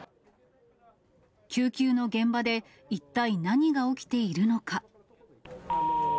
救急の現場で一体何が起きているのか。